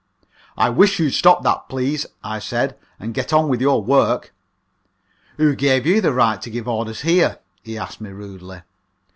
"I wish you'd stop that, please," I said, "and get on with your work." "Who gave you the right to give orders here?" he asked me, rudely.